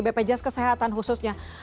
bpjs kesehatan khususnya